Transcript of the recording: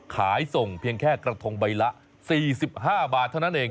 ขายส่งเพียงแค่กระทงใบละ๔๕บาทเท่านั้นเอง